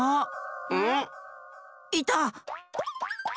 ⁉いた！